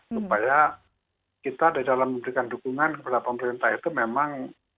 supaya kita di dalam memberikan dukungan kepada pemerintah itu memang